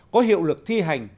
có hiệu lực thi hành